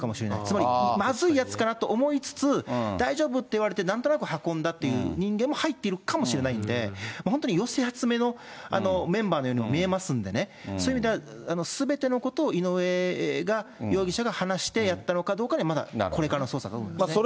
つまり、まずいやつかなと思いつつ、大丈夫って言われて、なんとなく運んだという人間も入っているかもしれないんで、本当に寄せ集めのメンバーのように見えますんでね、そういう意味では、すべてのことを井上が、容疑者が、話して、やったのかどうかで、まだこれからの捜査でしょうね。